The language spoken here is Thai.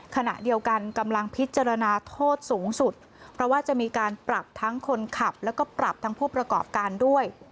ขณะเดียวกันกำลังพิจารณาโทษสูงสุดเพราะว่าจะมีการปรับทั้งคนขับแล้วก็ปรับทั้งผู้ประกอบการด้วย